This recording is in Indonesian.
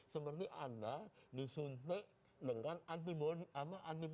seperti anda disuntik dengan anti pengakit